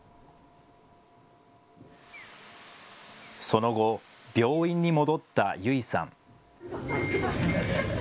その後、病院に戻った優生さん。